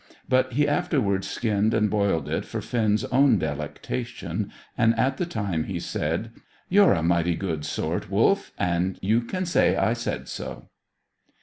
But he afterwards skinned and boiled it for Finn's own delectation, and at the time he said "You're a mighty good sort, Wolf, and you can say I said so."